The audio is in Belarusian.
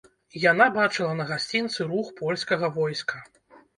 Яна бачыла на гасцінцы рух польскага войска.